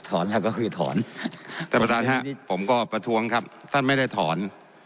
ท่านประทานครับผมก็ประทวงครับท่านไม่ได้ถอน